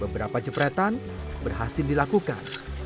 beberapa jepretan berhasil dilakukan